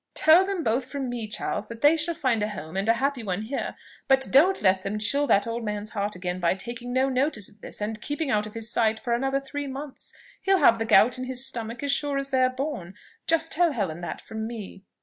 "Tell them both from me, Charles, that they shall find a home, and a happy one, here; but don't let them chill that old man's heart again by taking no notice of this, and keeping out of his sight for another three months. He'll have the gout in his stomach as sure as they're born; just tell Helen that from me."